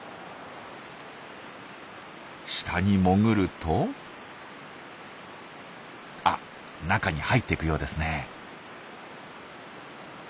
下に潜るとあ中に入っていくようですね。